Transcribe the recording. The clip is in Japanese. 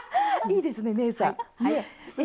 いいですねねえさん。ね！